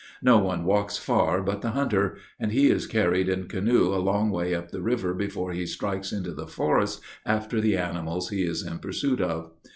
No one walks far but the hunter, and he is carried in canoe a long way up the river before he strikes into the forest after the animals he is in pursuit of.